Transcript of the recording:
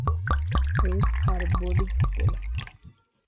Es arborícola.